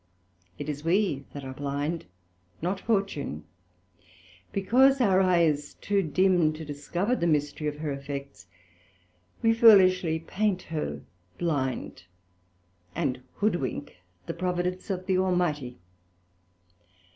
It is we that are blind, not Fortune: because our Eye is too dim to discover the mystery of her effects, we foolishly paint her blind, and hoodwink the Providence of the Almighty.